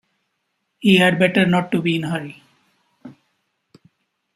He had better not be in a hurry.